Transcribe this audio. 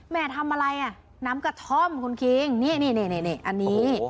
แม่ทำอะไรอ่ะน้ำกระท่อมคุณคิงนี่อันนี้